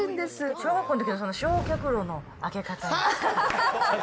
小学校の時の焼却炉の開け方。